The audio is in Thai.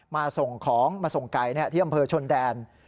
มาส่งของมาส่งไก่ที่อำเภอชนแดน